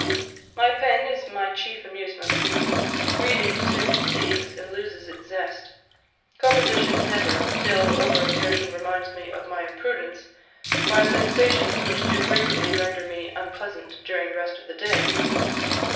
My pen is my chief amusement. Reading soon fatigues, and loses its zest; composition never, till over exertion reminds me of my imprudence, by sensations which too frequently render me unpleasant during the rest of the day."